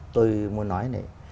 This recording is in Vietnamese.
tôi muốn nói này